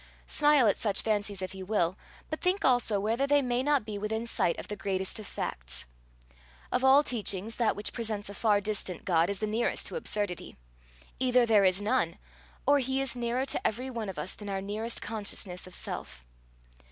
Smile at such fancies if you will, but think also whether they may not be within sight of the greatest of facts. Of all teachings that which presents a far distant God is the nearest to absurdity. Either there is none, or he is nearer to every one of us than our nearest consciousness of self.